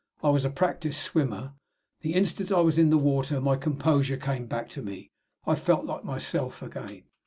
I was a practiced swimmer. The instant I was in the water my composure came back to me I felt like myself again.